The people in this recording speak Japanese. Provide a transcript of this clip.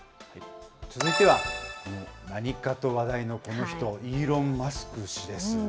続いては何かと話題のこの人、イーロン・マスク氏です。